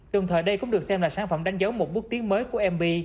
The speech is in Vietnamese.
đồng thời đây cũng được xem là sản phẩm đánh dấu một bước tiến mới của mb